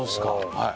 はい。